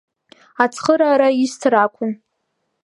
Ацхыраара исҭар акәын.